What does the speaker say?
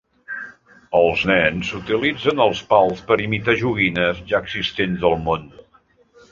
Els nens utilitzen els pals per imitar joguines ja existents al món.